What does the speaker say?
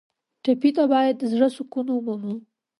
ټپي ته باید د زړه سکون ومومو.